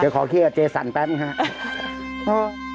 เดี๋ยวขอเครียดกับเจสันแป๊บนะครับ